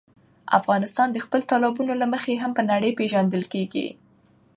افغانستان د خپلو تالابونو له مخې هم په نړۍ پېژندل کېږي.